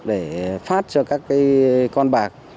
để phát cho các cái con bạc